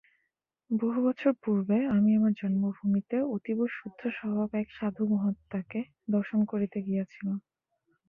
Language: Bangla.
বহু বৎসর পূর্বে আমি আমার জন্মভূমিতে অতীব শুদ্ধস্বভাব এক সাধু মহাত্মাকে দর্শন করিতে গিয়াছিলাম।